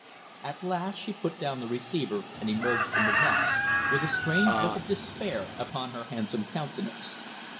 At last she put down the receiver and emerged from the box, with a strange look of despair upon her handsome countenance.